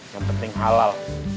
yang penting halal